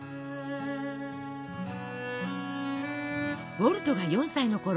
ウォルトが４歳のころ